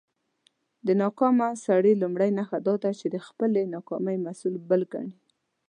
د ناکامه سړى لومړۍ نښه دا ده، چې د خپلى ناکامۍ مسول بل کڼې.